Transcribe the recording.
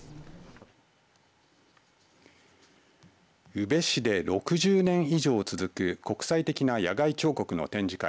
宇部市で６０年以上続く国際的な野外彫刻の展示会